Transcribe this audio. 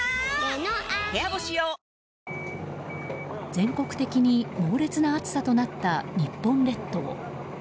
全国的に猛烈な暑さとなった日本列島。